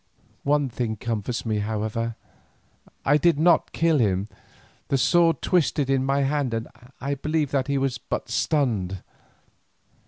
One thing comforts me, however; I did not kill him, the sword twisted in my hand and I believe that he was but stunned.